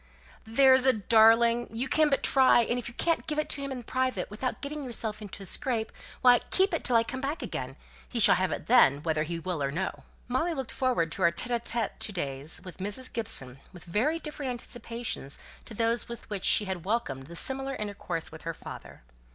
"There's a darling! You can but try; and if you can't give it to him in private, without getting yourself into a scrape, why, keep it till I come back again. He shall have it then, whether he will or no!" Molly looked forward to her two days alone with Mrs. Gibson with very different anticipations from those with which she had welcomed the similar intercourse with her father.